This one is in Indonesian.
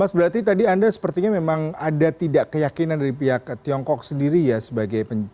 iya mas berarti tadi anda sepertinya memang ada tidak keyakinan dari pihak tiongkok sendiri ya sebagai perusahaan investor